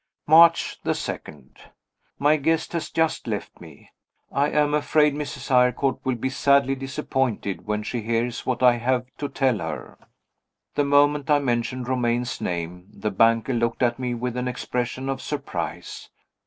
March 2. My guest has just left me. I am afraid Mrs. Eyrecourt will be sadly disappointed when she hears what I have to tell her. The moment I mentioned Romayne's name, the banker looked at me with an expression of surprise.